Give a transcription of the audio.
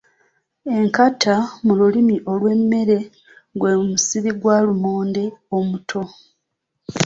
Enkata mu lulimi lw’emmere gwe musiri gwa lumonde omuto.